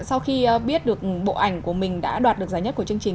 sau khi biết được bộ ảnh của mình đã đoạt được giá nhất của chương trình